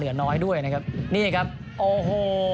ส่วนที่สุดท้ายส่วนที่สุดท้าย